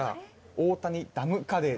大谷ダムカレー？